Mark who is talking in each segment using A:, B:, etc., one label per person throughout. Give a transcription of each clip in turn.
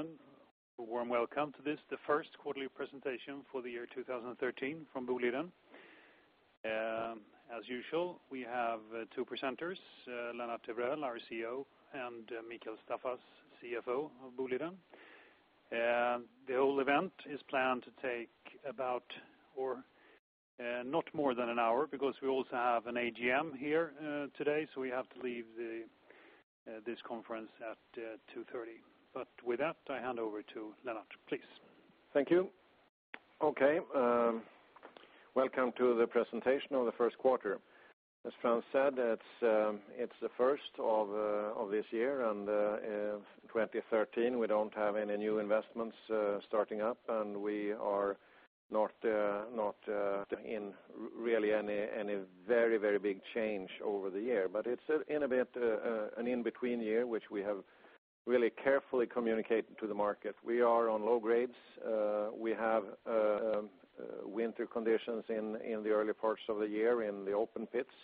A: A warm welcome to this, the first quarterly presentation for the year 2013 from Boliden. As usual, we have two presenters, Lennart Evrell, our CEO, and Mikael Staffas, CFO of Boliden. The whole event is planned to take not more than an hour because we also have an AGM here today, so we have to leave this conference at 2:30 P.M. With that, I hand over to Lennart. Please.
B: Thank you. Okay. Welcome to the presentation of the first quarter. As Frans said, it's the first of this year. 2013, we don't have any new investments starting up. We are not in really any very big change over the year. It's an in between year, which we have really carefully communicated to the market. We are on low grades. We have winter conditions in the early parts of the year in the open pits,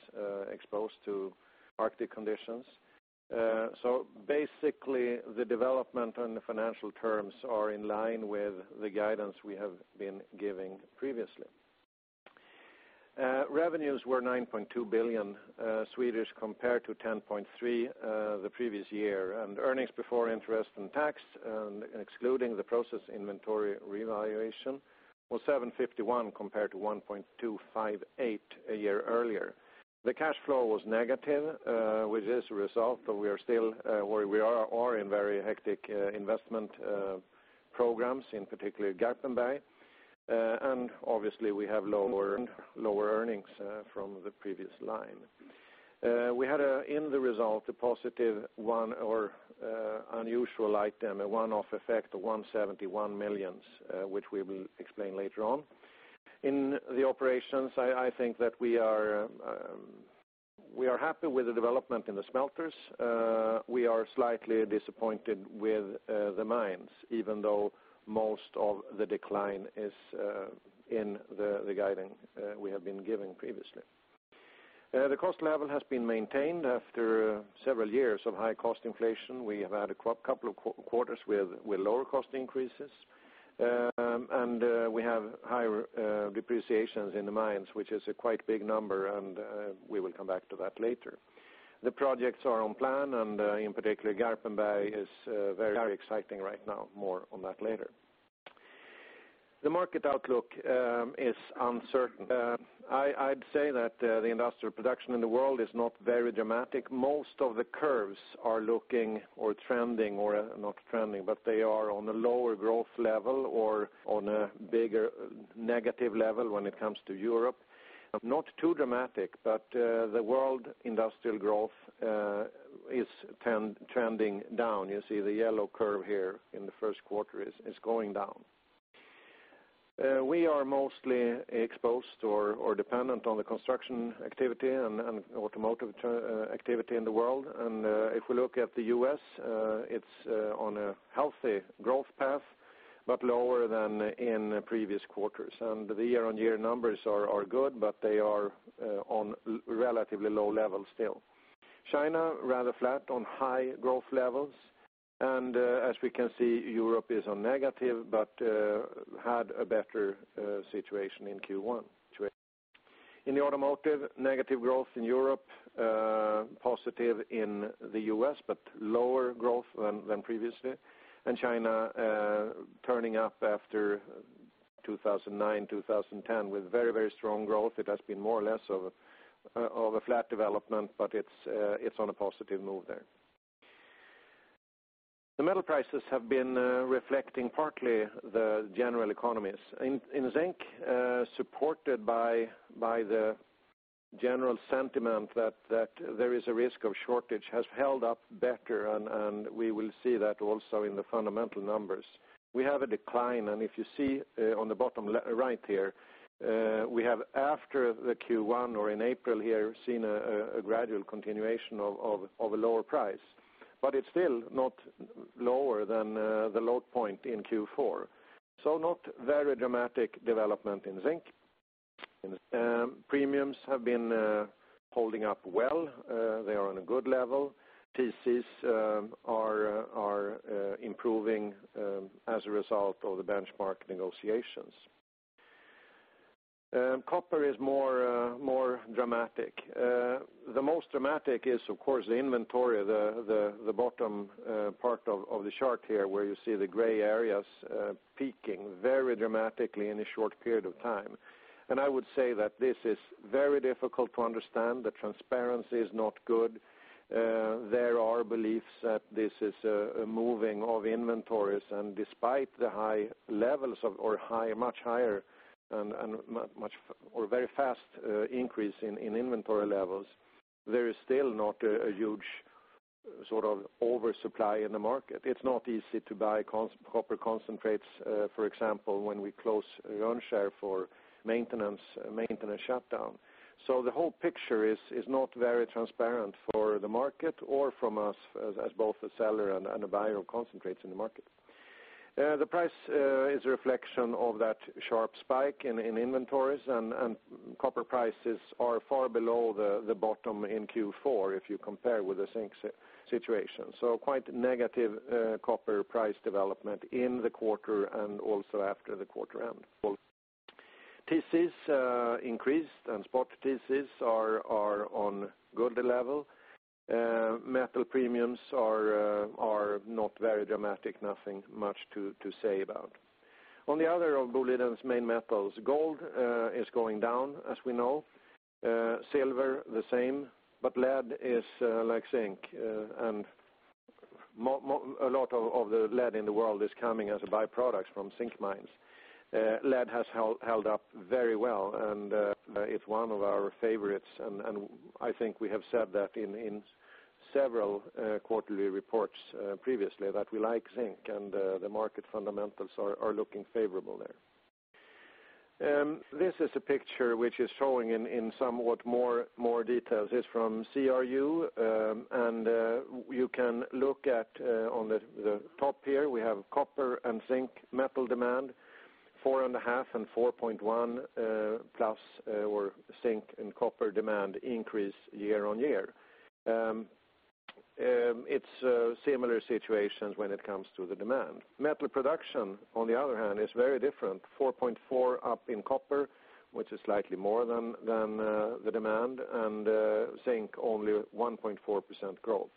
B: exposed to Arctic conditions. Basically, the development on the financial terms are in line with the guidance we have been giving previously. Revenues were 9.2 billion compared to 10.3 billion the previous year. Earnings before interest and tax, and excluding the process inventory revaluation, was 751 million compared to 1,258 million a year earlier. The cash flow was negative, with this result. We are in very hectic investment programs, in particular Garpenberg. Obviously we have lower earnings from the previous line. We had in the result, a positive one or unusual item, a one-off effect of 171 million, which we will explain later on. In the operations, I think that we are happy with the development in the smelters. We are slightly disappointed with the mines, even though most of the decline is in the guiding we have been giving previously. The cost level has been maintained after several years of high cost inflation. We have had a couple of quarters with lower cost increases. We have higher depreciations in the mines, which is a quite big number, and we will come back to that later. The projects are on plan, and in particular, Garpenberg is very exciting right now. More on that later. The market outlook is uncertain. I'd say that the industrial production in the world is not very dramatic. Most of the curves are looking or trending or not trending. They are on a lower growth level or on a bigger negative level when it comes to Europe. Not too dramatic. The world industrial growth is trending down. You see the yellow curve here in the first quarter is going down. We are mostly exposed or dependent on the construction activity and automotive activity in the world. If we look at the U.S., it's on a healthy growth path, lower than in previous quarters. The year-on-year numbers are good. They are on relatively low levels still. China, rather flat on high growth levels. As we can see, Europe is on negative, had a better situation in Q1. In the automotive, negative growth in Europe, positive in the U.S., but lower growth than previously. China turning up after 2009, 2010 with very strong growth. It has been more or less of a flat development, but it's on a positive move there. The metal prices have been reflecting partly the general economies. In zinc, supported by the general sentiment that there is a risk of shortage has held up better, and we will see that also in the fundamental numbers. We have a decline. If you see on the bottom right here, we have after the Q1 or in April here, seen a gradual continuation of a lower price. It's still not lower than the low point in Q4. Not very dramatic development in zinc. Premiums have been holding up well. They are on a good level. TCs are improving as a result of the benchmark negotiations. Copper is more dramatic. The most dramatic is, of course, the inventory, the bottom part of the chart here where you see the gray areas peaking very dramatically in a short period of time. I would say that this is very difficult to understand. The transparency is not good. There are beliefs that this is a moving of inventories, and despite the high levels or very fast increase in inventory levels, there is still not a huge sort of oversupply in the market. It's not easy to buy copper concentrates, for example, when we close Rönnskär for maintenance shutdown. The whole picture is not very transparent for the market or from us as both a seller and a buyer who concentrates in the market. The price is a reflection of that sharp spike in inventories. Copper prices are far below the bottom in Q4 if you compare with the zinc situation. Quite negative copper price development in the quarter, and also after the quarter end. TC increased. Spot TCs are on good level. Metal premiums are not very dramatic. Nothing much to say about. On the other of Boliden's main metals, gold is going down, as we know. Silver the same. Lead is like zinc, and a lot of the lead in the world is coming as a by-product from zinc mines. Lead has held up very well and it's one of our favorites, and I think we have said that in several quarterly reports previously that we like zinc, and the market fundamentals are looking favorable there. This is a picture which is showing in somewhat more details. It's from CRU. You can look at on the top here we have copper and zinc metal demand, 4.5 and 4.1 plus, or zinc and copper demand increase year-on-year. It's a similar situation when it comes to the demand. Metal production, on the other hand, is very different, 4.4 up in copper, which is slightly more than the demand, and zinc only 1.4% growth.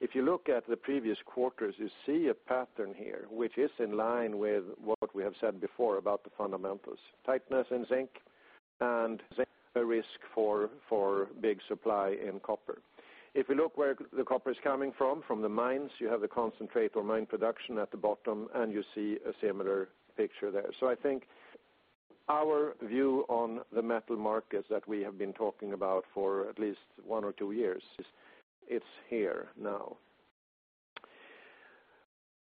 B: If you look at the previous quarters, you see a pattern here, which is in line with what we have said before about the fundamentals. Tightness in zinc and zinc risk for big supply in copper. If we look where the copper is coming from the mines, you have the concentrate or mine production at the bottom. You see a similar picture there. I think our view on the metal markets that we have been talking about for at least one or two years is it's here now.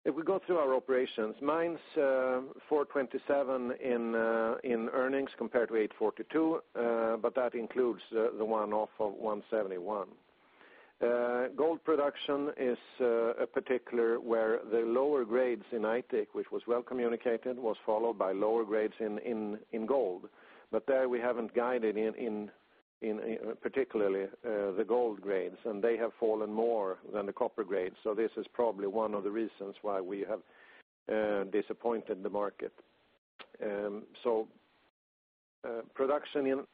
B: If we go through our operations, mines, 427 in earnings compared to 842, but that includes the one-off of 171. Gold production is a particular where the lower grades in Aitik, which was well communicated, was followed by lower grades in gold. There we haven't guided in particularly the gold grades, and they have fallen more than the copper grades, so this is probably one of the reasons why we have disappointed the market. Production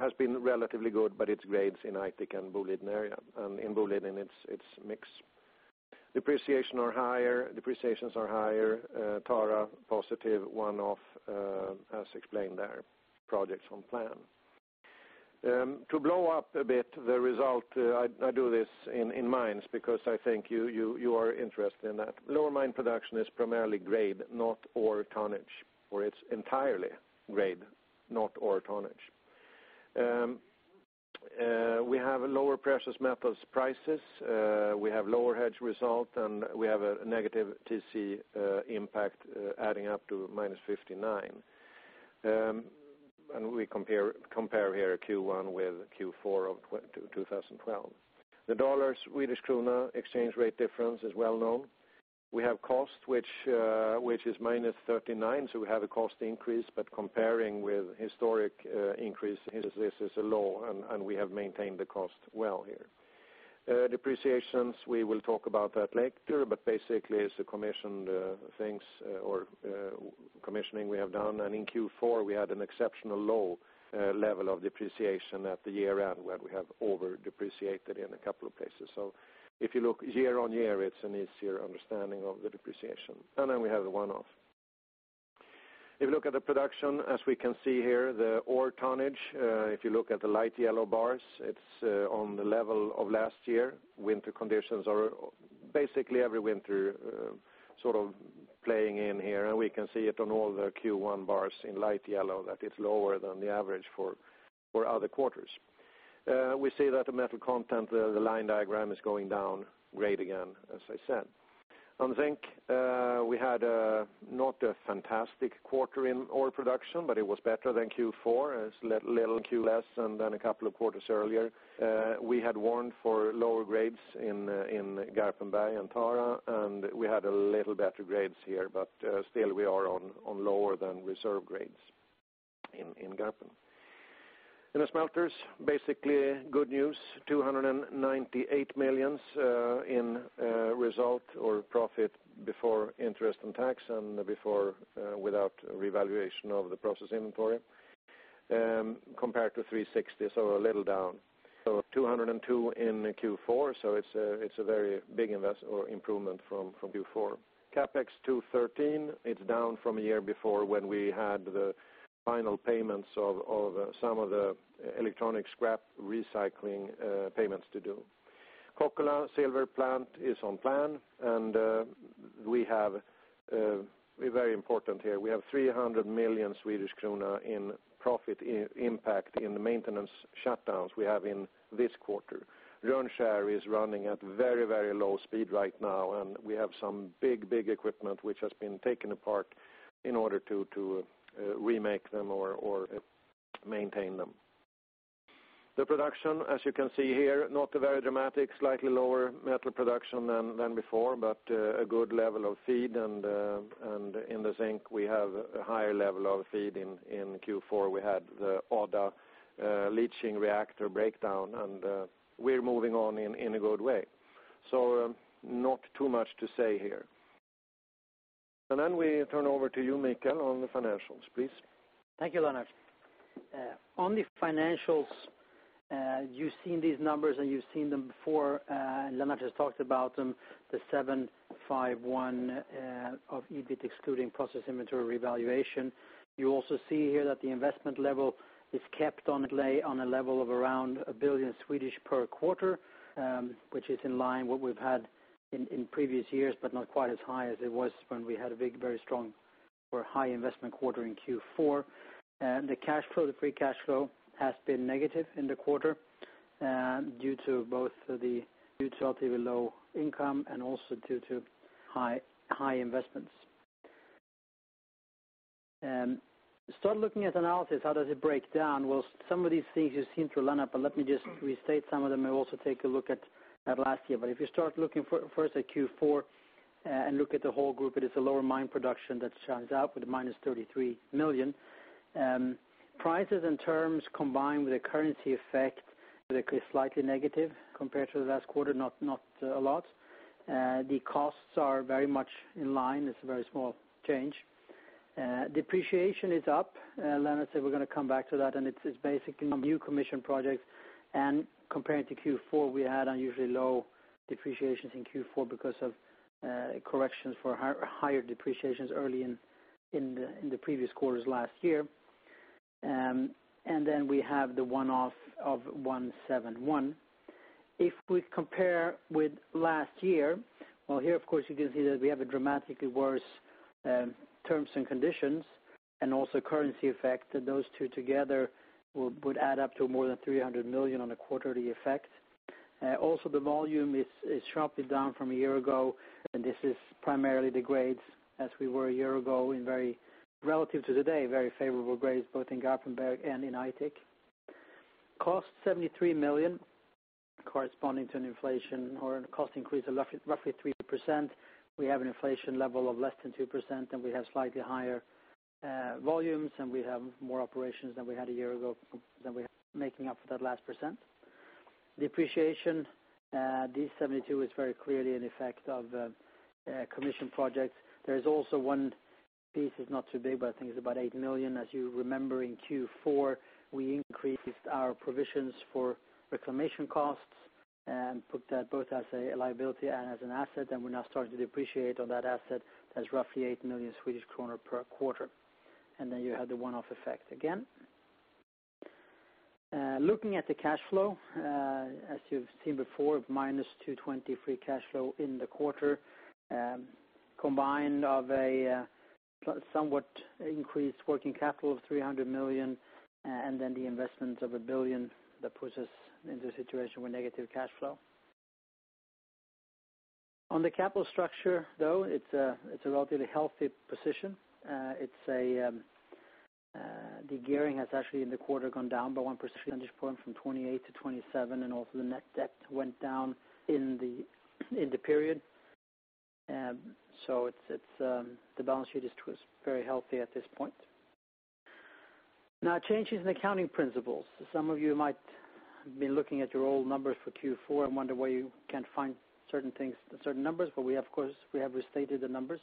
B: has been relatively good, but it's grades in Aitik and Boliden Area, and in Boliden it's mixed. Depreciations are higher. Tara, positive one-off, as explained there, projects on plan. To blow up a bit the result, I do this in mines because I think you are interested in that. Lower mine production is primarily grade, not ore tonnage, or it's entirely grade, not ore tonnage. We have lower precious metals prices. We have lower hedge result, and we have a negative TCs impact adding up to -59. We compare here Q1 with Q4 of 2012. The dollar Swedish krona exchange rate difference is well known. We have cost, which is -39, so we have a cost increase, but comparing with historic increase, this is low, and we have maintained the cost well here. Depreciations, we will talk about that later, but basically it's the commissioned things or commissioning we have done. In Q4, we had an exceptional low level of depreciation at the year-end where we have over-depreciated in a couple of places. If you look year on year, it's an easier understanding of the depreciation. We have the one-off. If you look at the production, as we can see here, the ore tonnage, if you look at the light yellow bars, it's on the level of last year. Winter conditions are basically every winter sort of playing in here, and we can see it on all the Q1 bars in light yellow that it's lower than the average for other quarters. We see that the metal content, the line diagram, is going down grade again, as I said. On zinc, we had not a fantastic quarter in ore production, but it was better than Q4. It's a little Q less than a couple of quarters earlier. We had warned for lower grades in Garpenberg and Tara, we had a little better grades here, but still we are on lower than reserve grades in Garpen. In the smelters, basically good news, 298 million in result or profit before interest and tax and without revaluation of the process inventory, compared to 360, so a little down. 202 in Q4, so it's a very big investment or improvement from Q4. CapEx 213, it's down from a year before when we had the final payments of some of the e-scrap recycling payments to do. Kokkola silver plant is on plan, we're very important here. We have 300 million Swedish krona in profit impact in the maintenance shutdowns we have in this quarter. Rönnskär is running at very low speed right now, we have some big equipment which has been taken apart in order to remake them or maintain them. The production, as you can see here, not very dramatic, slightly lower metal production than before, but a good level of feed. In the zinc, we have a higher level of feed in Q4. We had the Odda leaching reactor breakdown, we're moving on in a good way. Not too much to say here. We turn over to you, Mikael, on the financials, please.
C: Thank you, Lennart. On the financials, you've seen these numbers, you've seen them before. Lennart has talked about them, the 751 of EBIT excluding process inventory revaluation. You also see here that the investment level is kept on a level of around 1 billion per quarter, which is in line what we've had in previous years, not quite as high as it was when we had a very strong or high investment quarter in Q4. The free cash flow has been negative in the quarter due to both the relatively low income and also due to high investments. Start looking at analysis. How does it break down? Some of these things you've seen through Lennart, let me just restate some of them and also take a look at last year. If you start looking first at Q4 and look at the whole group, it is a lower mine production that stands out with a minus 33 million. Prices and terms combined with the currency effect is slightly negative compared to the last quarter, not a lot. The costs are very much in line. It's a very small change. Depreciation is up. Lennart said we're going to come back to that, it's basically new commission projects. Comparing to Q4, we had unusually low depreciations in Q4 because of corrections for higher depreciations early in the previous quarters last year. We have the one-off of 171. If we compare with last year, here, of course, you can see that we have a dramatically worse terms and conditions and also currency effect. Those two together would add up to more than 300 million on a quarterly effect. Also, the volume is sharply down from a year ago, this is primarily the grades as we were a year ago in very, relative to today, very favorable grades, both in Garpenberg and in Aitik. Cost 73 million, corresponding to an inflation or a cost increase of roughly 3%. We have an inflation level of less than 2%, we have slightly higher volumes, we have more operations than we had a year ago that we're making up for that last percent. Depreciation, this 72 is very clearly an effect of commission projects. There is also one piece that's not too big, but I think it's about 8 million. As you remember, in Q4, we increased our provisions for reclamation costs and put that both as a liability and as an asset, we're now starting to depreciate on that asset. That's roughly 8 million Swedish kronor per quarter. Then you have the one-off effect again. Looking at the cash flow, as you've seen before, minus 220 free cash flow in the quarter, combined of a somewhat increased working capital of 300 million, then the investment of 1 billion that puts us into a situation with negative cash flow. On the capital structure, though, it's a relatively healthy position. The gearing has actually in the quarter gone down by one percentage point from 28% to 27%, also the net debt went down in the period. The balance sheet is very healthy at this point. Changes in accounting principles. Some of you might be looking at your old numbers for Q4 and wonder why you can't find certain things, certain numbers, we of course have restated the numbers.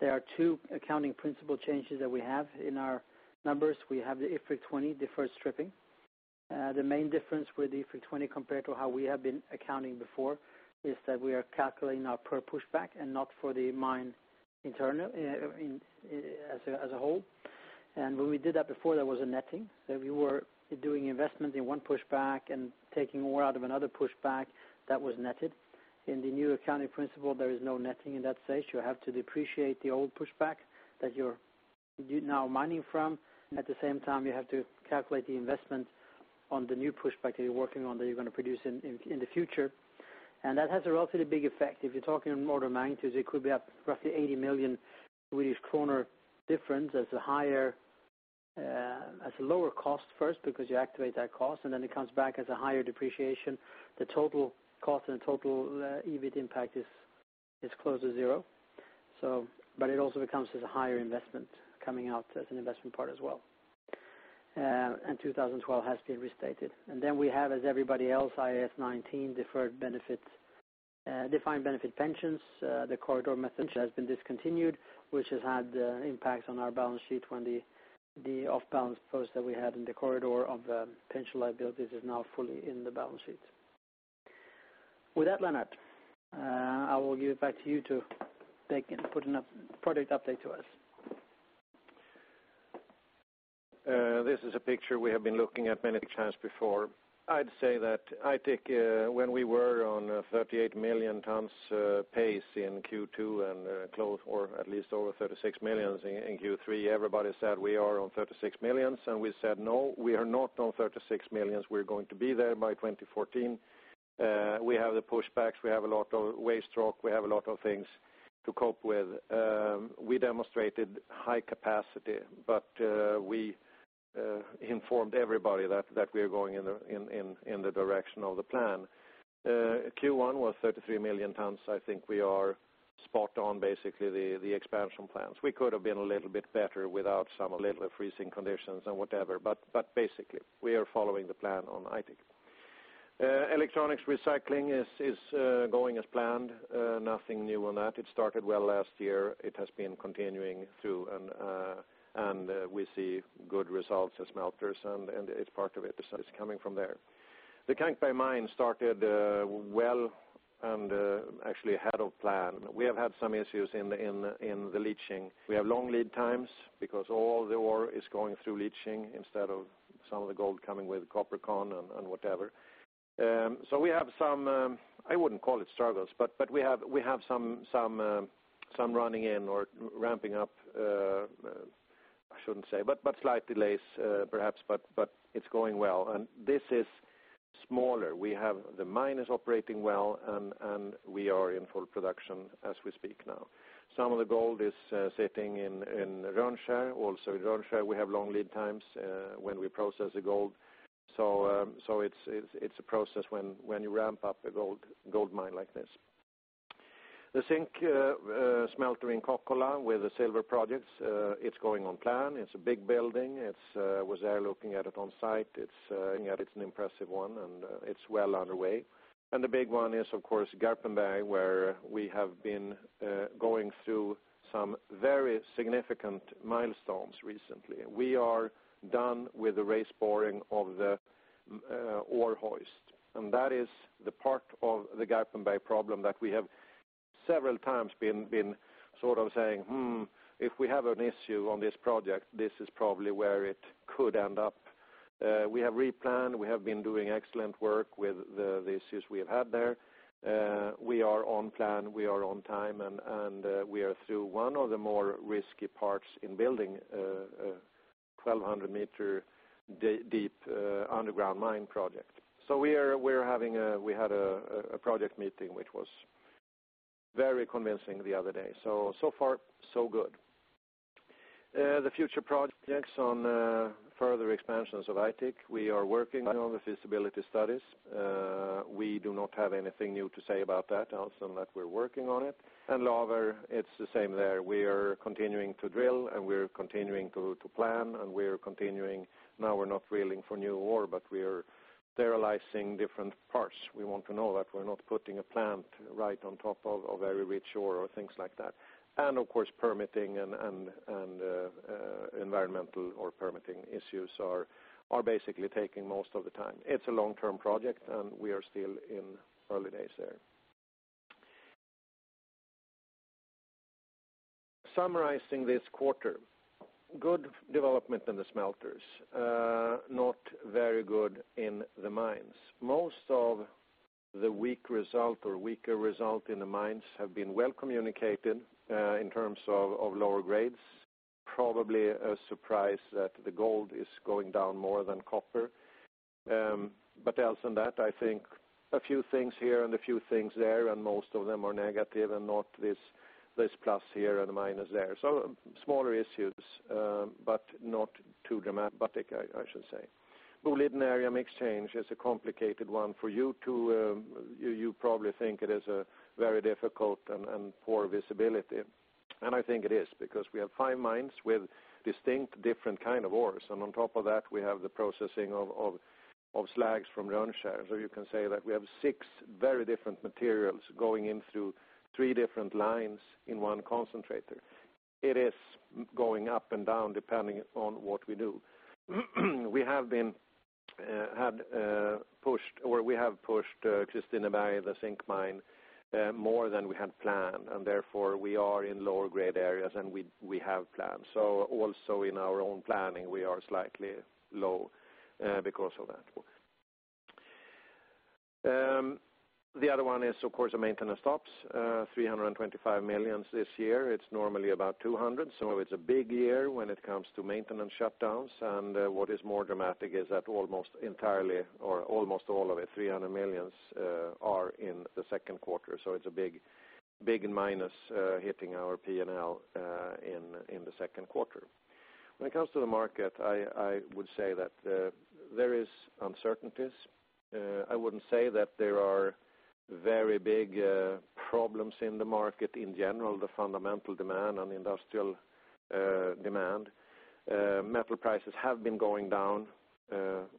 C: There are two accounting principle changes that we have in our numbers. We have IFRIC 20, Deferred Stripping. The main difference with IFRIC 20 compared to how we have been accounting before is that we are calculating our per pushback and not for the mine as a whole. When we did that before, there was a netting. If you were doing investment in one pushback and taking ore out of another pushback, that was netted. In the new accounting principle, there is no netting in that stage. You have to depreciate the old pushback that you're now mining from. At the same time, you have to calculate the investment on the new pushback that you're working on that you're going to produce in the future. That has a relatively big effect. If you're talking in order of magnitudes, it could be up roughly 80 million Swedish kronor difference as a lower cost first because you activate that cost, then it comes back as a higher depreciation. The total cost and total EBIT impact is close to zero. It also becomes as a higher investment coming out as an investment part as well. 2012 has been restated. Then we have, as everybody else, IAS 19, Defined Benefit Pensions. The corridor method has been discontinued, which has had impacts on our balance sheet when the off-balance posts that we had in the corridor of pension liabilities is now fully in the balance sheet. With that, Lennart, I will give it back to you to put a project update to us.
B: This is a picture we have been looking at many times before. I'd say that Aitik, when we were on a 38 million tons pace in Q2 and close or at least over 36 million in Q3, everybody said we are on 36 million, and we said, "No, we are not on 36 million. We're going to be there by 2014." We have the pushbacks. We have a lot of waste rock. We have a lot of things to cope with. We demonstrated high capacity, we informed everybody that we are going in the direction of the plan. Q1 was 33 million tons. I think we are spot on, basically, the expansion plans. We could have been a little bit better without some little freezing conditions and whatever, basically, we are following the plan on Aitik. Electronics recycling is going as planned. Nothing new on that. It started well last year. It has been continuing through, and we see good results as smelters, and its part of it is coming from there. The Kankberg mine started well and actually ahead of plan. We have had some issues in the leaching. We have long lead times because all the ore is going through leaching instead of some of the gold coming with the copper con and whatever. We have some, I wouldn't call it struggles, but we have some running in or ramping up, I shouldn't say, but slight delays perhaps, but it's going well. This is smaller. We have the miners operating well, and we are in full production as we speak now. Some of the gold is sitting in Rönnskär. In Rönnskär, we have long lead times when we process the gold. It's a process when you ramp up a gold mine like this. The zinc smelter in Kokkola with the silver projects, it's going on plan. It's a big building. I was there looking at it on site. It's an impressive one, and it's well underway. The big one is, of course, Garpenberg, where we have been going through some very significant milestones recently. We are done with the raise boring of the ore hoist, and that is the part of the Garpenberg problem that we have several times been sort of saying, "Hmm, if we have an issue on this project, this is probably where it could end up." We have replanned. We have been doing excellent work with the issues we have had there. We are on plan. We are on time, and we are through one of the more risky parts in building a 1,200-meter deep underground mine project. We had a project meeting, which was very convincing the other day. Far so good. The future projects on further expansions of Aitik. We are working on all the feasibility studies. We do not have anything new to say about that other than that we're working on it. Laver, it's the same there. We are continuing to drill, and we're continuing to plan, and we're continuing. Now we're not drilling for new ore, but we are sterilizing different parts. We want to know that we're not putting a plant right on top of very rich ore or things like that. Of course, permitting and environmental or permitting issues are basically taking most of the time. It's a long-term project, we are still in early days there. Summarizing this quarter, good development in the smelters, not very good in the mines. Most of the weak result or weaker result in the mines have been well communicated in terms of lower grades. Probably a surprise that the gold is going down more than copper. Other than that, I think a few things here and a few things there, most of them are negative and not this plus here and minus there. Smaller issues, but not too dramatic, I should say. Boliden Area is a complicated one for you, too. You probably think it is a very difficult and poor visibility. I think it is because we have five mines with distinct different kind of ores, and on top of that, we have the processing of slags from Rönnskär. You can say that we have six very different materials going in through three different lines in one concentrator. It is going up and down depending on what we do. We have pushed Kristineberg, the zinc mine, more than we had planned, therefore, we are in lower grade areas than we have planned. Also in our own planning, we are slightly low because of that. The other one is, of course, the maintenance stops, 325 million this year. It is normally about 200 million, it is a big year when it comes to maintenance shutdowns, what is more dramatic is that almost entirely or almost all of it, 300 million, are in the second quarter. It is a big minus hitting our P&L in the second quarter. When it comes to the market, I would say that there is uncertainties. I would not say that there are very big problems in the market in general, the fundamental demand and the industrial demand. Metal prices have been going down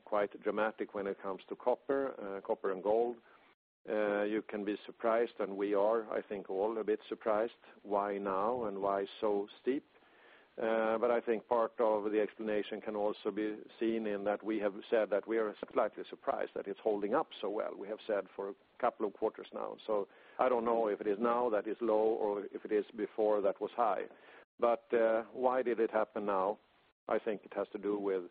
B: quite dramatic when it comes to copper and gold. You can be surprised, we are, I think, all a bit surprised why now and why so steep. I think part of the explanation can also be seen in that we have said that we are slightly surprised that it is holding up so well. We have said for a couple of quarters now. I do not know if it is now that it is low or if it is before that was high. Why did it happen now? I think it has to do with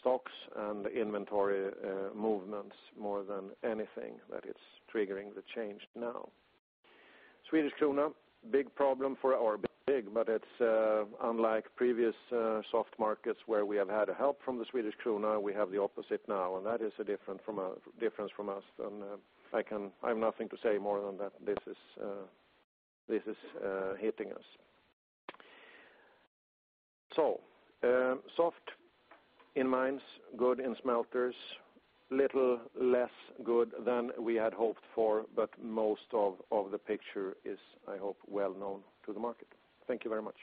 B: stocks and inventory movements more than anything that it is triggering the change now. Swedish krona, big problem for our big, it is unlike previous soft markets where we have had help from the Swedish krona, we have the opposite now, that is a difference from us. I have nothing to say more than that this is hitting us. Soft in mines, good in smelters, little less good than we had hoped for, most of the picture is, I hope, well known to the market. Thank you very much.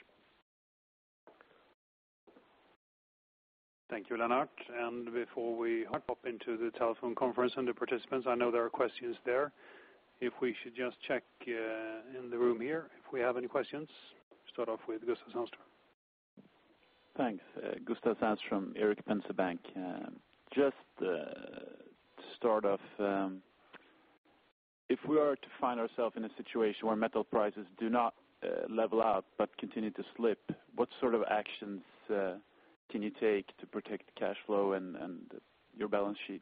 A: Thank you, Lennart. Before we hop into the telephone conference and the participants, I know there are questions there. If we should just check in the room here if we have any questions. Start off with Gustaf Sandström.
D: Thanks. Gustaf Sandström, Erik Penser Bank. Just to start off, if we are to find ourselves in a situation where metal prices do not level out but continue to slip, what sort of actions can you take to protect the cash flow and your balance sheet?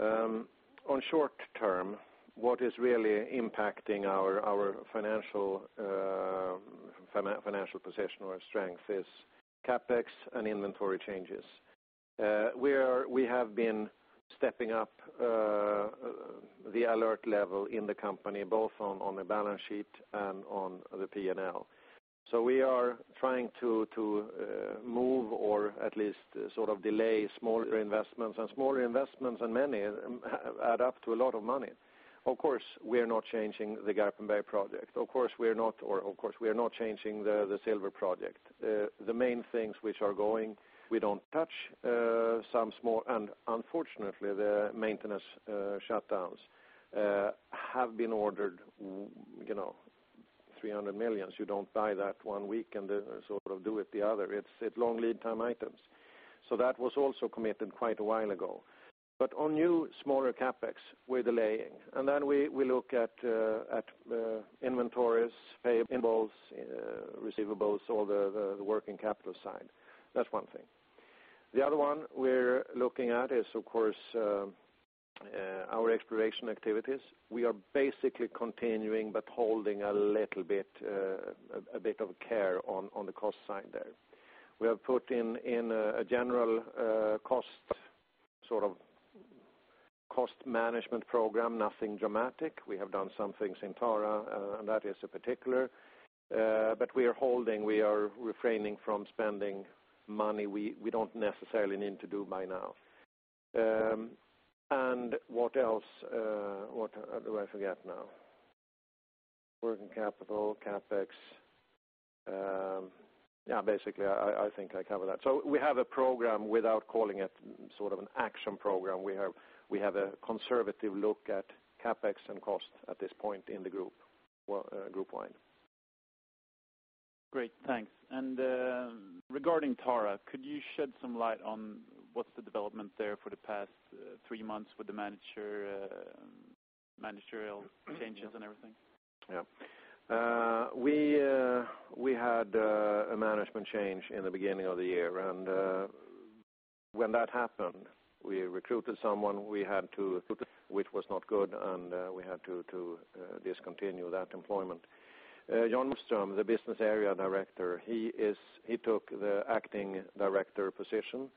B: On short term, what is really impacting our financial position or strength is CapEx and inventory changes. We have been stepping up the alert level in the company, both on the balance sheet and on the P&L. We are trying to move or at least sort of delay smaller investments. Smaller investments and many add up to a lot of money. Of course, we are not changing the Garpenberg project. Of course, we are not changing the silver project. The main things which are going, we don't touch. Some small and unfortunately, the maintenance shutdowns have been ordered 300 million. You don't buy that one week and then sort of do it the other. It's long lead time items. That was also committed quite a while ago. On new, smaller CapEx, we're delaying, and then we look at inventories, payables, receivables, so the working capital side. That's one thing. The other one we're looking at is, of course, our exploration activities. We are basically continuing but holding a little bit of care on the cost side there. We have put in a general cost management program, nothing dramatic. We have done some things in Tara, and that is particular. We are holding, we are refraining from spending money we don't necessarily need to do by now. What else? What do I forget now? Working capital, CapEx. Yeah, basically, I think I covered that. We have a program without calling it sort of an action program. We have a conservative look at CapEx and cost at this point in the group line.
D: Great, thanks. Regarding Tara, could you shed some light on what's the development there for the past three months with the managerial changes and everything?
B: Yeah. We had a management change in the beginning of the year. When that happened, we recruited someone we had to, which was not good, and we had to discontinue that employment. Jan Moström, the Business Area Director, he took the acting director position,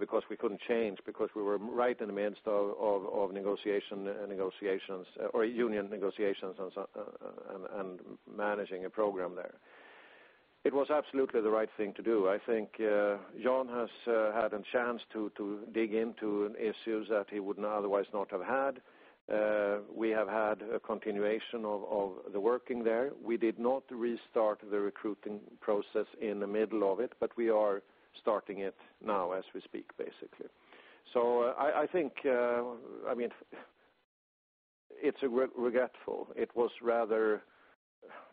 B: because we couldn't change, because we were right in the midst of union negotiations and managing a program there. It was absolutely the right thing to do. I think Jan has had a chance to dig into issues that he would now otherwise not have had. We have had a continuation of the working there. We did not restart the recruiting process in the middle of it, but we are starting it now as we speak, basically. I think it's regretful. It was rather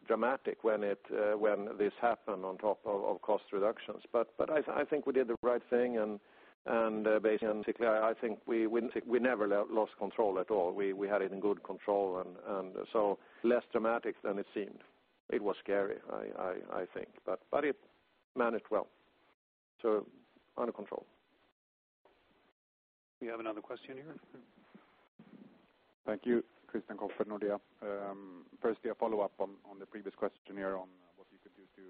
B: dramatic when this happened on top of cost reductions. I think we did the right thing, and basically, I think we never lost control at all. We had it in good control, less dramatic than it seemed. It was scary, I think, but it managed well. Under control.
A: We have another question here.
E: Thank you. Christian Koldbye, Nordea. Firstly, a follow-up on the previous question here on what you could do to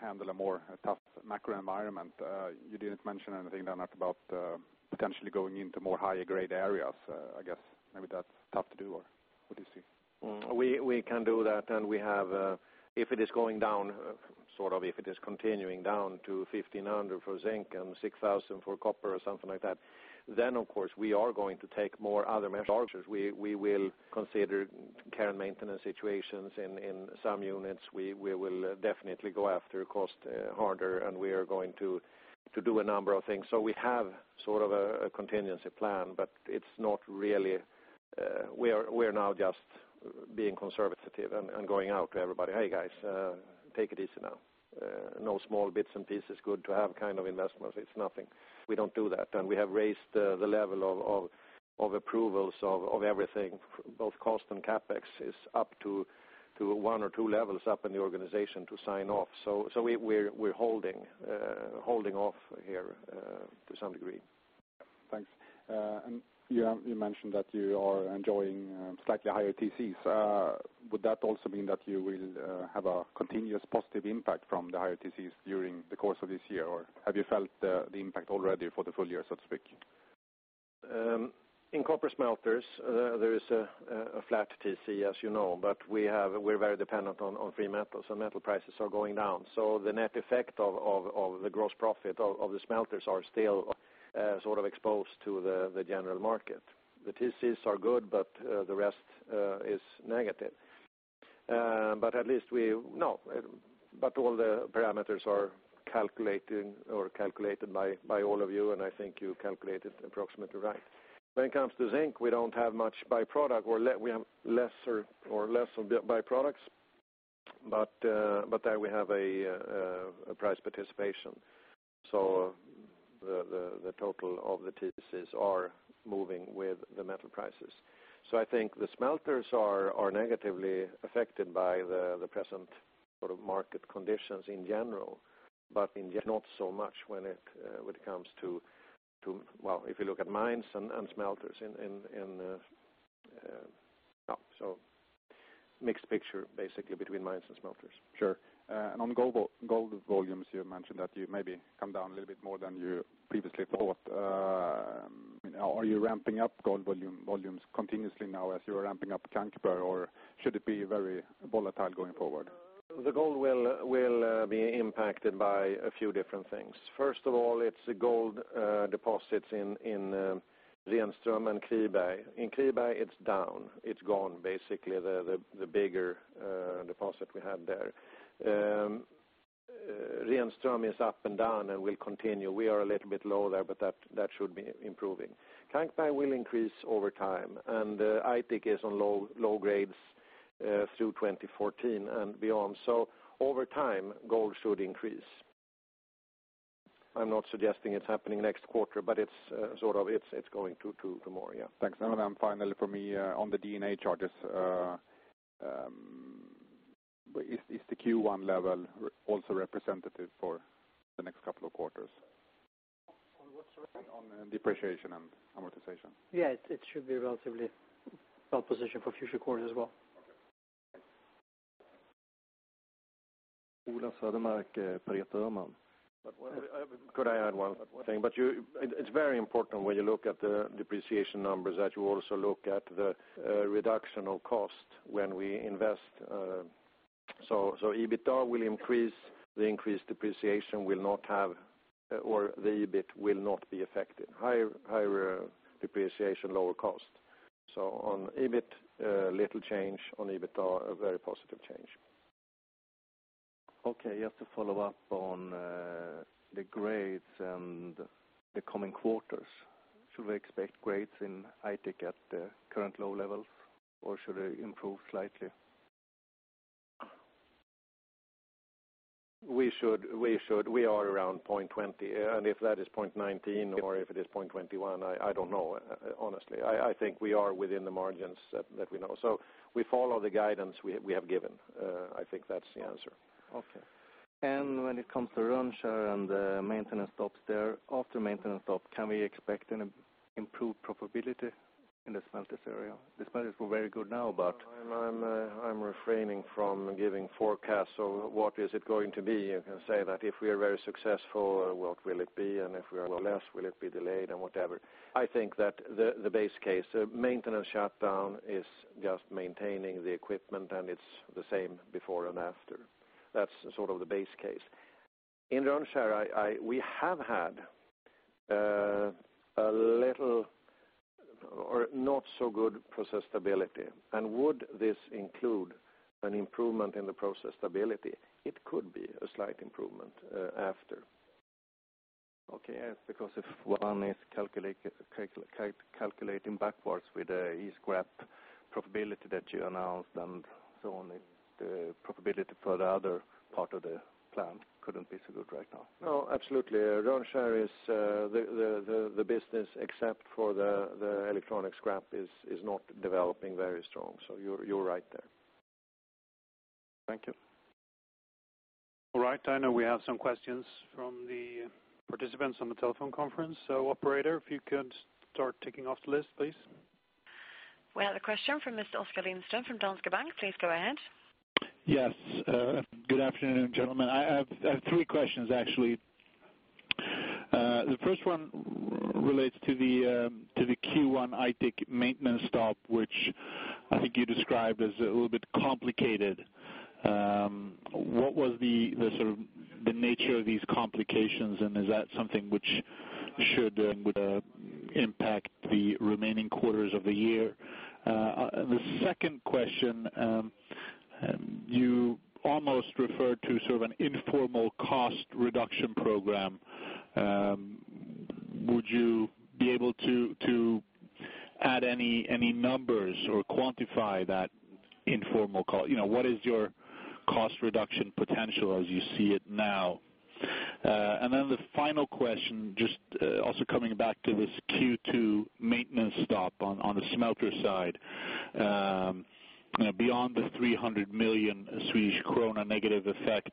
E: handle a more tough macro environment. You didn't mention anything, Lennart, about potentially going into more higher grade areas. I guess maybe that's tough to do, or what do you see?
B: We can do that, if it is going down, sort of, if it is continuing down to 1,500 for zinc and 6,000 for copper or something like that, of course, we are going to take more other measures. We will consider care and maintenance situations in some units. We will definitely go after cost harder, we are going to do a number of things. We have sort of a contingency plan, but we're now just being conservative and going out to everybody. "Hey, guys take it easy now." No small bits and pieces good to have kind of investments. It's nothing. We don't do that. We have raised the level of approvals of everything, both cost and CapEx is up to 1 or 2 levels up in the organization to sign off. We're holding off here to some degree.
E: Thanks. You mentioned that you are enjoying slightly higher TCs. Would that also mean that you will have a continuous positive impact from the higher TCs during the course of this year, or have you felt the impact already for the full year, so to speak?
B: In copper smelters, there is a flat TC, as you know, but we're very dependent on free metals and metal prices are going down. The net effect of the gross profit of the smelters are still exposed to the general market. The TCs are good, but the rest is negative. All the parameters are calculated by all of you, and I think you calculate it approximately right. When it comes to zinc, we have lesser byproducts, but there we have a price participation. The total of the TCs are moving with the metal prices. I think the smelters are negatively affected by the present market conditions in general, but not so much If you look at mines and smelters. Mixed picture basically between mines and smelters.
E: Sure. On gold volumes, you mentioned that you maybe come down a little bit more than you previously thought. Are you ramping up gold volumes continuously now as you are ramping up Kankberg or should it be very volatile going forward?
B: The gold will be impacted by a few different things. First of all, it's the gold deposits in Renström and Kiruna. In Kiruna it's down. It's gone, basically, the bigger deposit we had there. Renström is up and down and will continue. We are a little bit low there, but that should be improving. Kankberg will increase over time, and Aitik is on low grades through 2014 and beyond. Over time, gold should increase. I'm not suggesting it's happening next quarter, but it's going to more, yeah.
E: Thanks. Finally from me, on the D&A charges, is the Q1 level also representative for the next couple of quarters?
B: On what, sorry?
E: On depreciation and amortization.
C: Yeah, it should be relatively well-positioned for future quarters as well.
E: Okay. Thanks.
F: Ola Södermark, Pareto Öhman.
B: Could I add one thing? It's very important when you look at the depreciation numbers, that you also look at the reduction of cost when we invest. EBITDA will increase, the EBIT will not be affected. Higher depreciation, lower cost. On EBIT, little change, on EBITDA, a very positive change.
F: Okay, just to follow up on the grades and the coming quarters. Should we expect grades in Aitik at the current low levels or should they improve slightly?
B: We are around 0.20. If that is 0.19 or if it is 0.21, I don't know, honestly. I think we are within the margins that we know. We follow the guidance we have given. I think that's the answer.
F: Okay. When it comes to Rönnskär and the maintenance stops there, after maintenance stop, can we expect an improved profitability in the smelters area? The smelters were very good now.
B: I'm refraining from giving forecasts of what is it going to be. You can say that if we are very successful, what will it be? If we are less, will it be delayed and whatever. I think that the base case maintenance shutdown is just maintaining the equipment and it's the same before and after. That's the base case. In Rönnskär, we have had a little or not so good process stability. Would this include an improvement in the process stability? It could be a slight improvement after.
F: Okay. Yes, if one is calculating backwards with the e-scrap profitability that you announced and so on, the profitability for the other part of the plan couldn't be so good right now.
B: No, absolutely. Rönnskär is the business, except for the electronic scrap, is not developing very strong. You're right there.
F: Thank you.
A: All right. I know we have some questions from the participants on the telephone conference. Operator, if you could start ticking off the list, please.
G: We have a question from Mr. Oskar Lindström from Danske Bank. Please go ahead.
H: Yes. Good afternoon, gentlemen. I have three questions, actually. The first one relates to the Q1 Aitik maintenance stop, which I think you described as a little bit complicated. What was the nature of these complications, and is that something which should impact the remaining quarters of the year? The second question, you almost referred to an informal cost reduction program. Would you be able to add any numbers or quantify that? What is your cost reduction potential as you see it now? The final question, just also coming back to this Q2 maintenance stop on the smelter side. Beyond the SEK 300 million negative effect,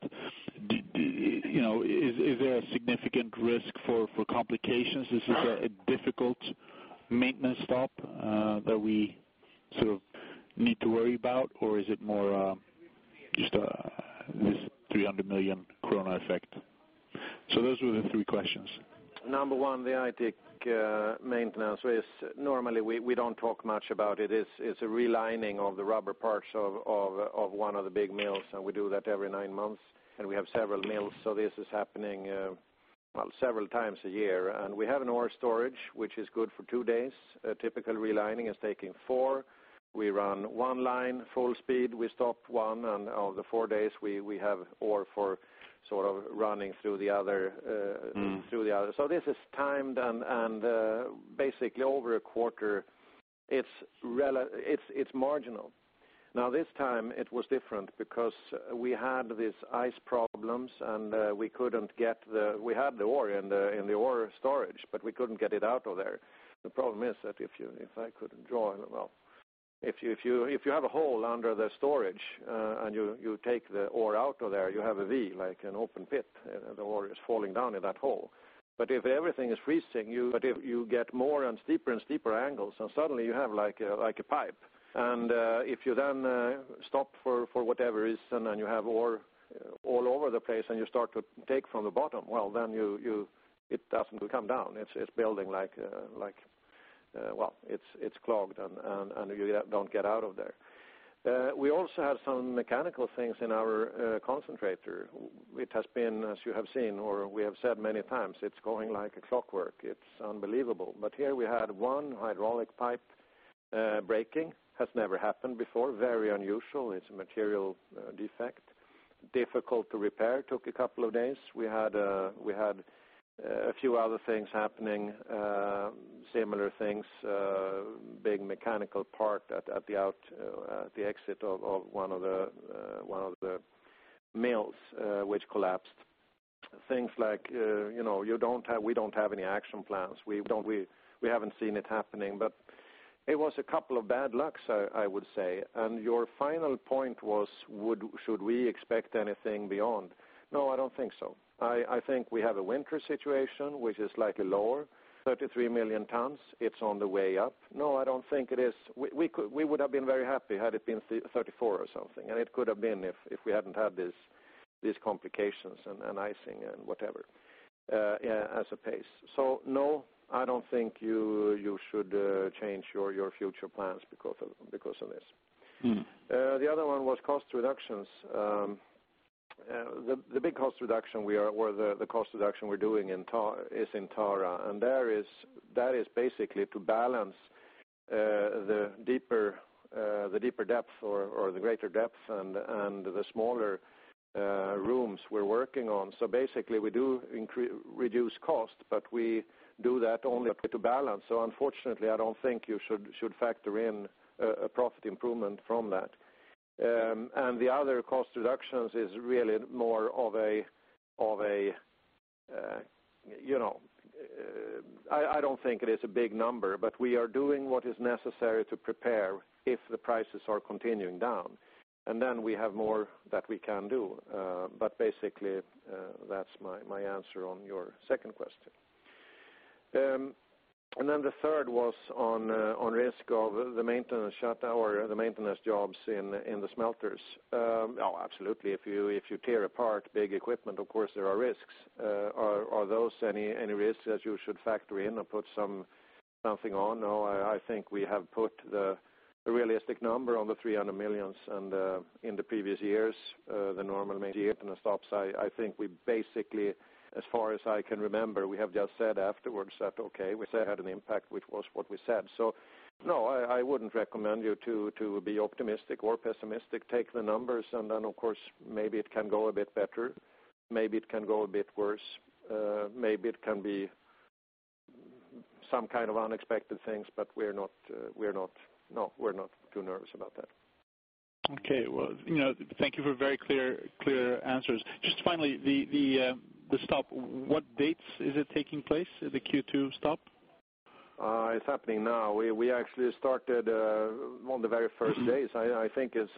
H: is there a significant risk for complications? Is this a difficult maintenance stop that we sort of need to worry about or is it more just this 300 million effect? Those were the three questions.
B: Number one, the Aitik maintenance risk. Normally we don't talk much about it. It's a realigning of the rubber parts of one of the big mills, and we do that every nine months, and we have several mills. This is happening, well, several times a year. We have an ore storage, which is good for two days. A typical realigning is taking four. We run one line full speed. We stop one and of the four days we have ore for sort of running through the other. This is timed and basically over a quarter, it's marginal. Now this time it was different because we had these ice problems and we had the ore in the ore storage, but we couldn't get it out of there. The problem is that if I could draw well, if you have a hole under the storage, and you take the ore out of there, you have a V, like an open pit, the ore is falling down in that hole. If everything is freezing, you get more and steeper and steeper angles, and suddenly you have like a pipe. If you then stop for whatever reason, and you have ore all over the place, and you start to take from the bottom, well, then it doesn't come down. It's building like it's clogged and you don't get out of there. We also have some mechanical things in our concentrator. It has been, as you have seen or we have said many times, it's going like a clockwork. It's unbelievable. Here we had one hydraulic pipe breaking. Has never happened before. Very unusual. It's a material defect. Difficult to repair. Took a couple of days. We had a few other things happening, similar things, big mechanical part at the exit of one of the mills which collapsed. Things like we don't have any action plans. We haven't seen it happening, but it was a couple of bad lucks, I would say. Your final point was should we expect anything beyond? No, I don't think so. I think we have a winter situation, which is likely lower, 33 million tons. It's on the way up. No, I don't think it is. We would have been very happy had it been 34 or something. It could have been if we hadn't had these complications and icing and whatever as a pace. No, I don't think you should change your future plans because of this. The other one was cost reductions. The big cost reduction we are, or the cost reduction we're doing is in Tara. That is basically to balance the deeper depth or the greater depth and the smaller rooms we're working on. Basically, we do reduce cost, but we do that only to balance. Unfortunately, I don't think you should factor in a profit improvement from that. The other cost reductions is really more of a, I don't think it is a big number, but we are doing what is necessary to prepare if the prices are continuing down, and then we have more that we can do. Basically, that's my answer on your second question. Then the third was on risk of the maintenance shutdown or the maintenance jobs in the smelters. Oh, absolutely. If you tear apart big equipment, of course there are risks. Are those any risks that you should factor in or put something on? No, I think we have put the realistic number on the 300 million and in the previous years the normal maintenance stops. I think we basically, as far as I can remember, we have just said afterwards that, okay, we said had an impact, which was what we said. No, I wouldn't recommend you to be optimistic or pessimistic. Then of course, maybe it can go a bit better. Maybe it can go a bit worse. Maybe it can be some kind of unexpected things, but we're not too nervous about that.
H: Okay. Well, thank you for very clear answers. Just finally, the stop. What dates is it taking place? The Q2 stop?
B: It's happening now. We actually started on the very first days. I think if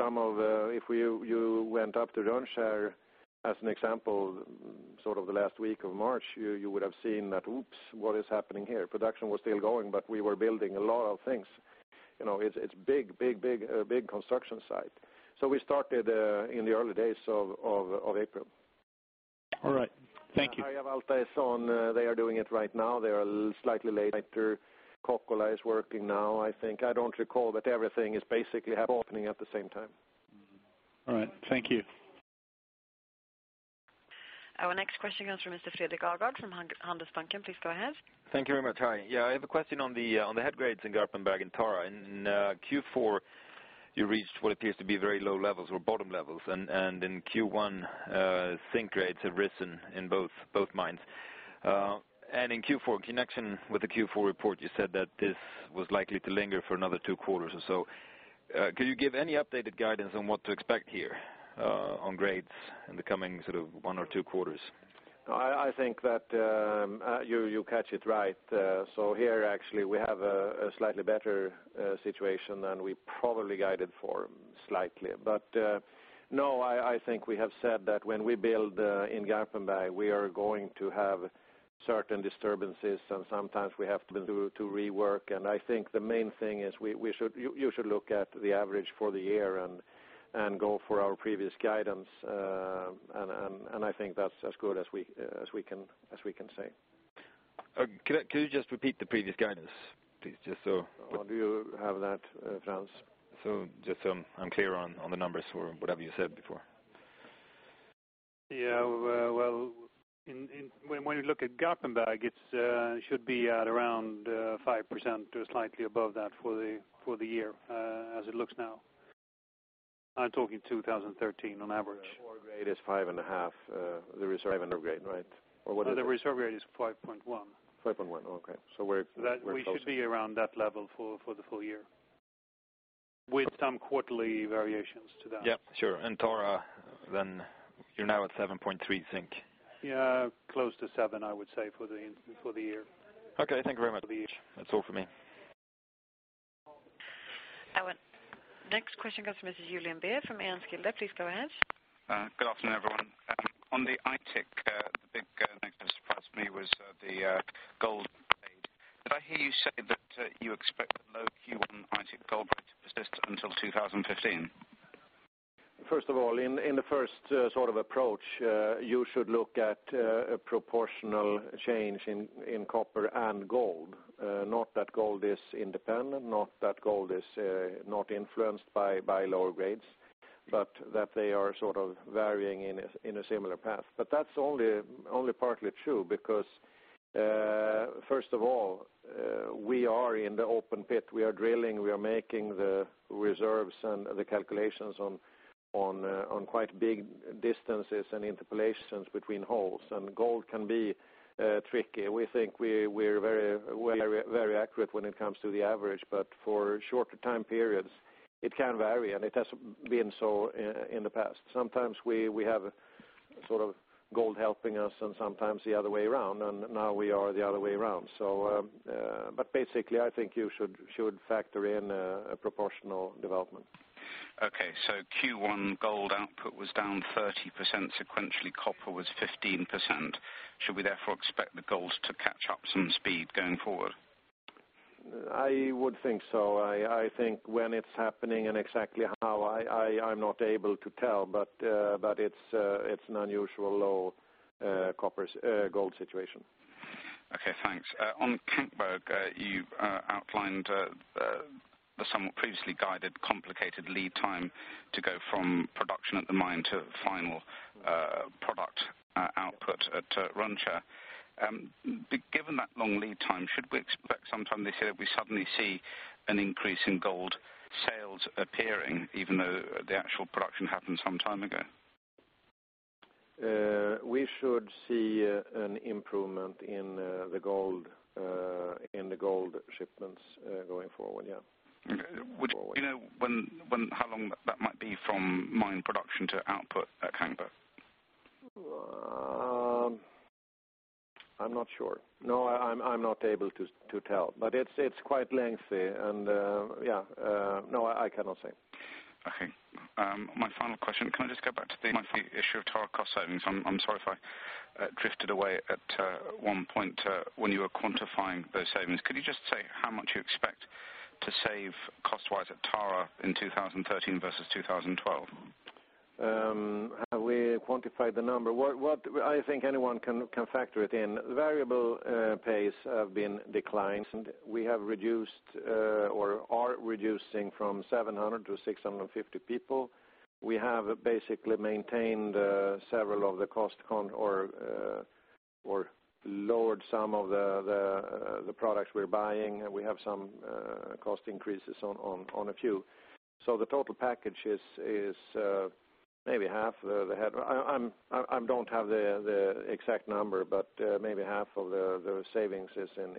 B: you went up to Rönnskär, as an example, sort of the last week of March, you would have seen that oops, what is happening here? Production was still going, but we were building a lot of things. It's big construction site. We started in the early days of April.
H: All right. Thank you.
B: Harjavalta is on. They are doing it right now. They are slightly late. Kokkola is working now, I think. I don't recall that everything is basically opening at the same time.
H: All right. Thank you.
G: Our next question comes from Mr. Fredrik Ahrberg from Handelsbanken. Please go ahead.
I: Thank you very much. Hi. I have a question on the head grades in Garpenberg and Tara. In Q4, you reached what appears to be very low levels or bottom levels, and in Q1, zinc grades have risen in both mines. In connection with the Q4 report, you said that this was likely to linger for another two quarters or so. Could you give any updated guidance on what to expect here on grades in the coming one or two quarters?
B: I think that you catch it right. Here actually we have a slightly better situation than we probably guided for slightly. No, I think we have said that when we build in Garpenberg, we are going to have certain disturbances, and sometimes we have to rework. I think the main thing is you should look at the average for the year and go for our previous guidance. I think that's as good as we can say.
I: Could you just repeat the previous guidance, please?
B: Do you have that, Frans?
I: Just so I'm clear on the numbers for whatever you said before.
B: Yeah. Well, when you look at Garpenberg, it should be at around 5% or slightly above that for the year as it looks now. I'm talking 2013 on average.
I: Ore grade is five and a half. The reserve grade, right? What is it?
B: The reserve grade is 5.1.
I: 5.1. Okay. We're close.
B: We should be around that level for the full year, with some quarterly variations to that.
I: Yep, sure. Tara then, you're now at 7.3 zinc.
B: Yeah. Close to seven, I would say, for the year.
I: Okay. Thank you very much. That's all for me.
G: Our next question comes from Julian Beer from SEB. Please go ahead.
J: Good afternoon, everyone. On the Aitik, the big negative surprise for me was the gold grade. Did I hear you say that you expect low Q1 Aitik gold grade to persist until 2015?
B: In the first sort of approach, you should look at a proportional change in copper and gold. Not that gold is independent, not that gold is not influenced by lower grades, but that they are sort of varying in a similar path. That's only partly true because, first of all, we are in the open pit. We are drilling, we are making the reserves and the calculations on quite big distances and interpolations between holes, and gold can be tricky. We think we're very accurate when it comes to the average, but for shorter time periods, it can vary, and it has been so in the past. Sometimes we have sort of gold helping us and sometimes the other way around, and now we are the other way around. Basically, I think you should factor in a proportional development.
J: Okay. Q1 gold output was down 30% sequentially, copper was 15%. Should we therefore expect the gold to catch up some speed going forward?
B: I would think so. I think when it's happening and exactly how, I'm not able to tell, but it's an unusually low gold situation.
J: Okay, thanks. On Kankberg, you outlined the somewhat previously guided complicated lead time to go from production at the mine to final product output at Rönnskär. Given that long lead time, should we expect sometime this year we suddenly see an increase in gold sales appearing, even though the actual production happened some time ago?
B: We should see an improvement in the gold shipments going forward, yeah.
J: Would you know how long that might be from mine production to output at Kankberg?
B: I'm not sure. No, I'm not able to tell, but it's quite lengthy. No, I cannot say.
J: Okay. My final question, can I just go back to the issue of Tara cost savings? I'm sorry if I drifted away at one point when you were quantifying those savings. Could you just say how much you expect to save cost-wise at Tara in 2013 versus 2012?
B: Have we quantified the number? I think anyone can factor it in. Variable pays have been declined. We have reduced or are reducing from 700 to 650 people. We have basically maintained several of the cost count or lowered some of the products we're buying. We have some cost increases on a few. The total package is maybe half. I don't have the exact number, but maybe half of the savings is in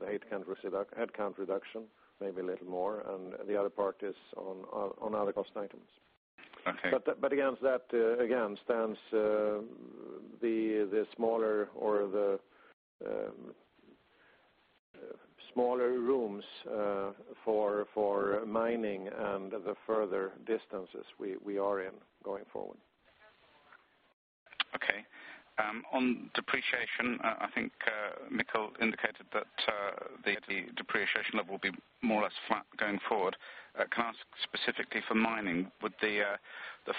B: the headcount reduction, maybe a little more, and the other part is on other cost items.
J: Okay.
B: Against that, again, stands the smaller rooms for mining and the further distances we are in going forward.
J: Okay. On depreciation, I think Mikael indicated that the depreciation level will be more or less flat going forward. Can I ask specifically for mining, would the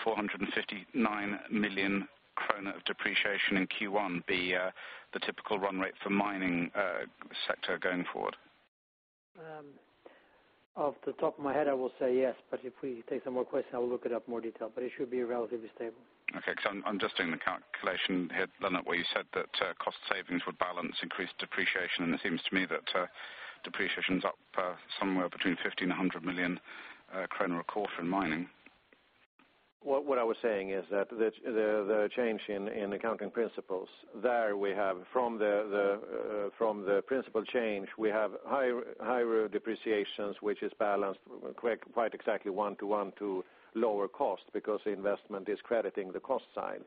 J: 459 million krona of depreciation in Q1 be the typical run rate for mining sector going forward?
C: Off the top of my head, I will say yes. If we take some more questions, I will look it up in more detail, but it should be relatively stable.
J: Okay. I'm just doing the calculation here, Lennart, where you said that cost savings would balance increased depreciation, and it seems to me that depreciation is up somewhere between 15 million-100 million kronor a quarter in mining.
B: What I was saying is that the change in accounting principles, from the principle change, we have higher depreciations, which is balanced quite exactly one to one to lower cost because the investment is crediting the cost side.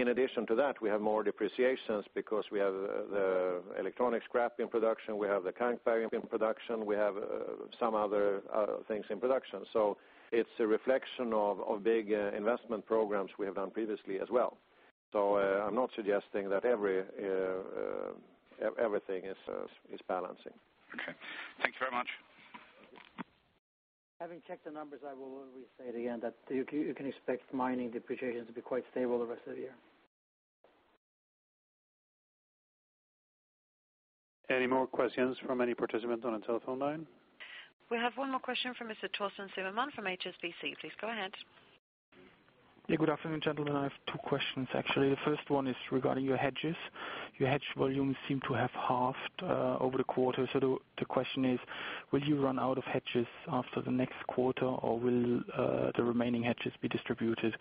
B: In addition to that, we have more depreciations because we have the electronic scrap in production.
C: Having checked the numbers, I will restate again that you can expect mining depreciation to be quite stable the rest of the year.
A: Any more questions from any participants on a telephone line?
G: We have one more question from Mr. Thorsten Zimmermann from HSBC. Please go ahead.
K: Good afternoon, gentlemen. I have two questions, actually. The first one is regarding your hedges. Your hedge volumes seem to have halved over the quarter. The question is, will you run out of hedges after the next quarter, or will the remaining hedges be distributed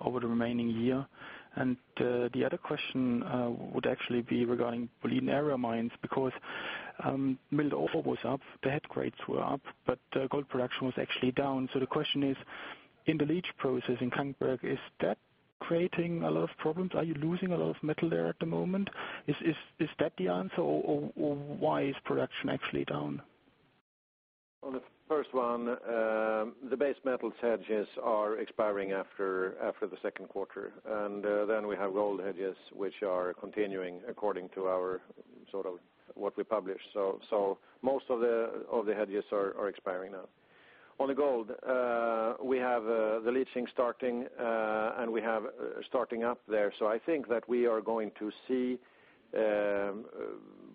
K: over the remaining year? The other question would actually be regarding Boliden Area mines, because mill overall was up, the head grades were up, but gold production was actually down. The question is, in the leach process in Kankberg, is that creating a lot of problems? Are you losing a lot of metal there at the moment? Is that the answer, or why is production actually down?
B: On the first one, the base metals hedges are expiring after the second quarter. Then we have gold hedges, which are continuing according to what we publish. Most of the hedges are expiring now. On the gold, we have the leaching starting up there. I think that we are going to see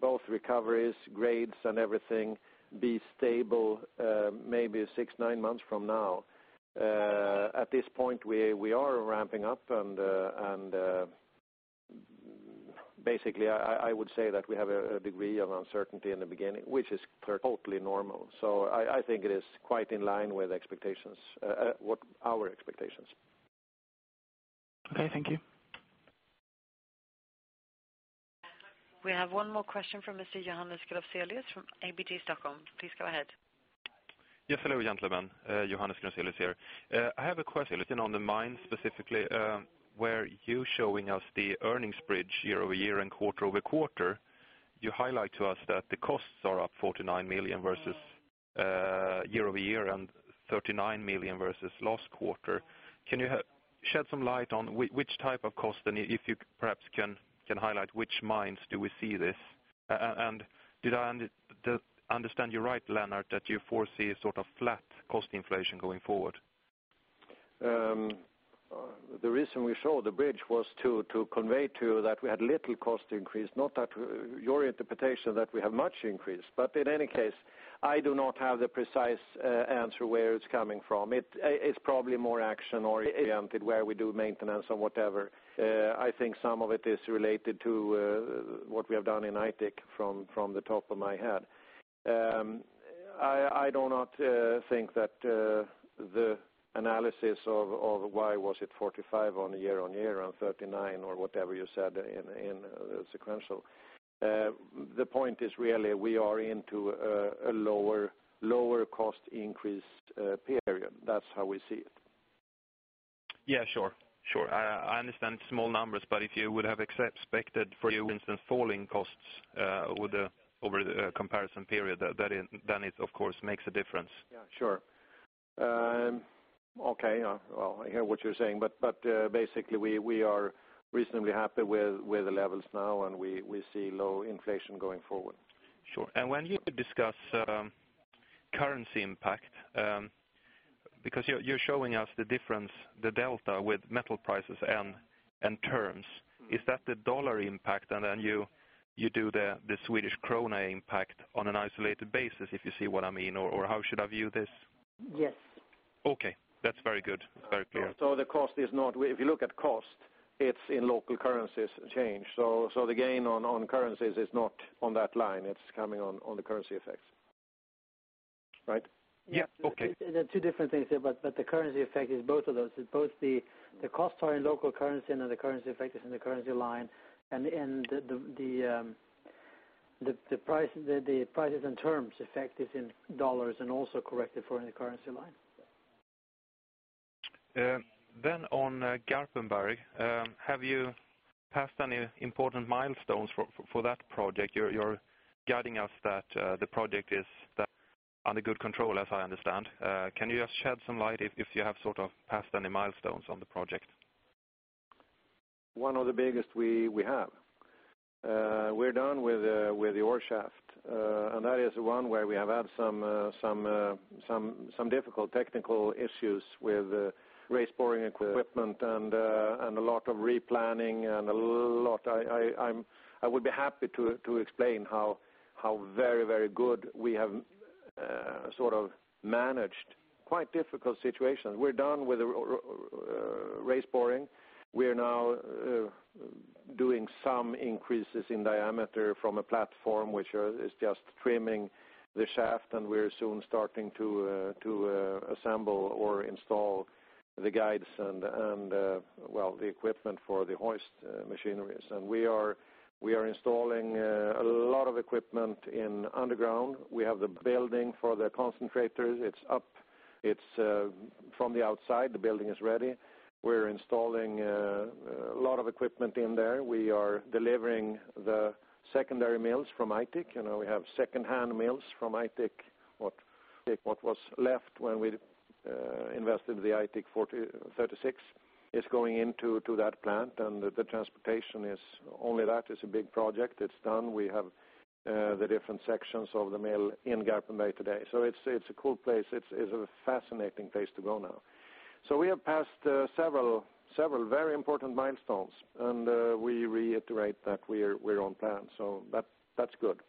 B: both recoveries, grades, and everything be stable maybe six, nine months from now. At this point, we are ramping up, basically, I would say that we have a degree of uncertainty in the beginning, which is totally normal. I think it is quite in line with our expectations.
K: Okay, thank you.
G: We have one more question from Mr. Johannes Groselius from ABG Sundal Collier. Please go ahead.
L: Yes, hello gentlemen. Johannes Groselius here. I have a question on the mine specifically, where you showing us the earnings bridge year-over-year and quarter-over-quarter, you highlight to us that the costs are up 49 million versus year-over-year and 39 million versus last quarter. Can you shed some light on which type of cost, and if you perhaps can highlight which mines do we see this? Did I understand you right, Lennart, that you foresee a sort of flat cost inflation going forward?
B: The reason we show the bridge was to convey to you that we had little cost increase, not that your interpretation that we have much increase. In any case, I do not have the precise answer where it's coming from. It's probably more action-oriented where we do maintenance or whatever. I think some of it is related to what we have done in Aitik from the top of my head. I do not think that the analysis of why was it 45 million on a year-over-year and 39 million or whatever you said in sequential. The point is really we are into a lower cost increase period. That's how we see it.
L: Yeah, sure. I understand it's small numbers, if you would have expected, for instance, falling costs over the comparison period, it of course makes a difference.
B: Yeah, sure. Okay, well, I hear what you're saying, basically, we are reasonably happy with the levels now, we see low inflation going forward.
L: Sure. When you discuss currency impact, because you're showing us the difference, the delta with metal prices and terms, is that the dollar impact, then you do the Swedish krona impact on an isolated basis, if you see what I mean, or how should I view this?
C: Yes.
L: Okay. That's very good. Very clear.
B: If you look at cost, it's in local currencies change. The gain on currencies is not on that line. It's coming on the currency effects. Right?
L: Yeah. Okay.
C: There are two different things there, the currency effect is both of those. Both the costs are in local currency, and then the currency effect is in the currency line, and the prices and terms effect is in dollars and also corrected for in the currency line.
L: On Garpenberg, have you passed any important milestones for that project? You're guiding us that the project is under good control, as I understand. Can you just shed some light if you have sort of passed any milestones on the project?
B: One of the biggest we have. We are done with the ore shaft, that is one where we have had some difficult technical issues with raise boring equipment and a lot of replanning and a lot. I would be happy to explain how very good we have managed quite difficult situations. We are done with raise boring. We are now doing some increases in diameter from a platform which is just trimming the shaft, and we are soon starting to assemble or install the guides and, well, the equipment for the hoist machineries. We are installing a lot of equipment in underground. We have the building for the concentrators. It is up. From the outside, the building is ready. We are installing a lot of equipment in there. We are delivering the secondary mills from Aitik. We have secondhand mills from Aitik. What was left when we invested in the Aitik 36 is going into that plant, and the transportation is, only that is a big project. It is done. We have the different sections of the mill in Garpenberg today. It is a cool place. It is a fascinating place to go now. We have passed several very important milestones, and we reiterate that we are on plan. That is good.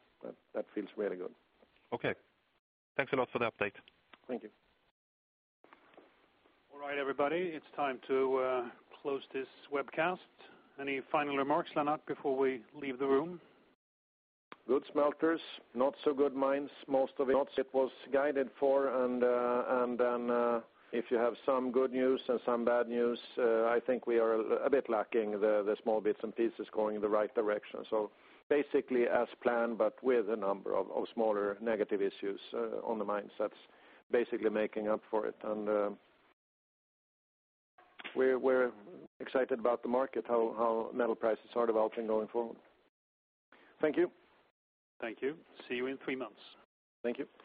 B: That feels really good.
L: Okay. Thanks a lot for the update.
B: Thank you.
A: All right, everybody, it's time to close this webcast. Any final remarks, Lennart, before we leave the room?
B: Good smelters, not so good mines. Most of it was guided for, and then if you have some good news and some bad news, I think we are a bit lacking the small bits and pieces going in the right direction. Basically as planned, but with a number of smaller negative issues on the mines. That's basically making up for it. We're excited about the market, how metal prices are developing going forward. Thank you.
A: Thank you. See you in three months.
B: Thank you.